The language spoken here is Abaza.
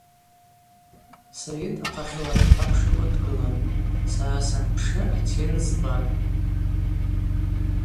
Сайыт ахъахьыла дхъапшылуа дгылан, сара санпшы атен збатӏ.